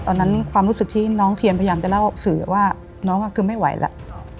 ความรู้สึกที่น้องเทียนพยายามจะเล่าสื่อว่าน้องก็คือไม่ไหวแล้ว